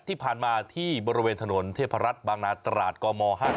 ที่ผ่านมาที่บริเวณถนนเทพรัฐบางนาตราดกม๕๗